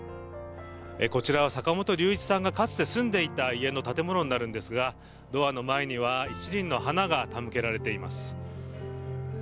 こちらは坂本龍一さんがかつて住んでいた家の建物になるんですが、ドアの前には１輪の花が手向けられています。